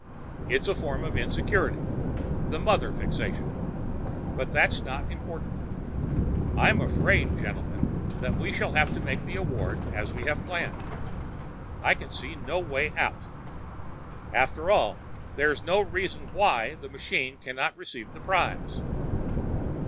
It's a form of insecurity, the mother fixation. But that's not important. I'm afraid, gentlemen, that we shall have to make the award as we have planned. I can see no way out. After all, there's no reason why the machine cannot receive the prize.